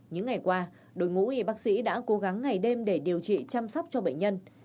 những ngày qua đội ngũ y bác sĩ đã cố gắng ngày đêm để điều trị chăm sóc cho bệnh nhân